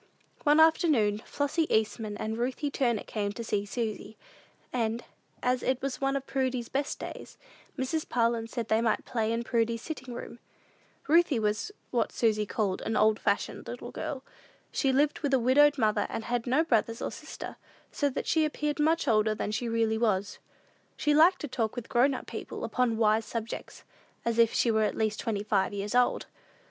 One afternoon, Flossy Eastman and Ruthie Turner came to see Susy; and, as it was one of Prudy's best days, Mrs. Parlin said they might play in Prudy's sitting room. Ruthie was what Susy called an "old fashioned little girl." She lived with a widowed mother, and had no brothers and sisters, so that she appeared much older than she really was. She liked to talk with grown people upon wise subjects, as if she were at least twenty five years old.